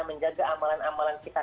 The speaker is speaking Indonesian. menjaga amalan amalan kita